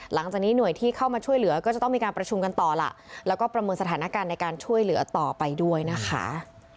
หลังจากนี้หน่วยที่เข้ามาช่วยเหลือก็จะต้องมีการประชุมกันต่อล่ะแล้วก็ประเมินสถานการณ์ในการช่วยเหลือต่อไปด้วยนะคะ